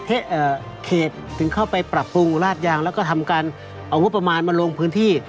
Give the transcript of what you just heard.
เขตถึงเข้าไปปรับปรุงราดยางแล้วก็ทำการเอางบประมาณมาลงพื้นที่